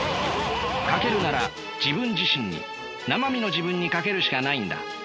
賭けるなら自分自身になま身の自分に賭けるしかないんだ。